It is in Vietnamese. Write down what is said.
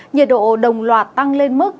nhiệt độ đồng loạt tăng lên mức